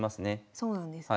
そうなんですね。